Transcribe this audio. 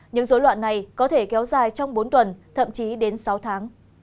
những dối loạn này có thể kéo dài trong bốn tuần thậm chí đến sáu tháng